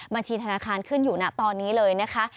บัญชีธนาคารขึ้นอยู่นะตอนนี้เลยนะคะ